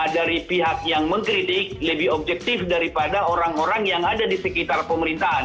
dari pihak yang mengkritik lebih objektif daripada orang orang yang ada di sekitar pemerintahan